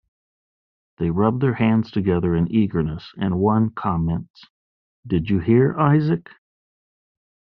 They rub their hands together in eagerness, and one comments: Did you hear, Isaac?